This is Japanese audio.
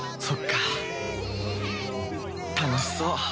そっか楽しそう。